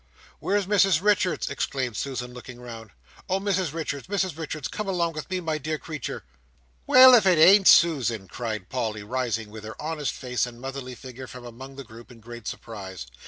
"Where's Mrs Richards?" exclaimed Susan Nipper, looking round. "Oh Mrs Richards, Mrs Richards, come along with me, my dear creetur!" "Why, if it ain't Susan!" cried Polly, rising with her honest face and motherly figure from among the group, in great surprise.